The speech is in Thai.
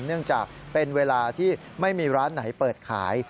เนื่องจากเป็นเวลาที่ไม่มีร้านไหนเปิดขาย